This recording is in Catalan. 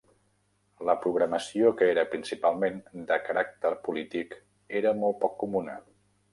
La programació que era principalment de caràcter polític era molt poc comuna.